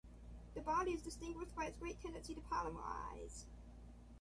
The body is distinguished by its great tendency to polymerize.